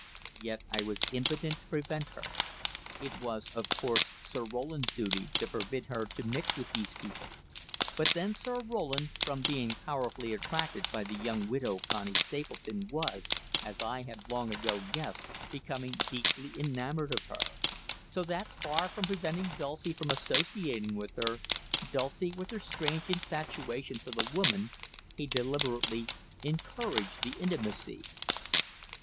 Yet I was impotent to prevent her; it was, of course, Sir Roland's duty to forbid her to mix with these people, but then Sir Roland, from being powerfully attracted by the young widow Connie Stapleton, was, as I had long ago guessed, becoming deeply enamoured of her; so that, far from preventing Dulcie from associating with her Dulcie, with her strange infatuation for the woman he deliberately encouraged the intimacy.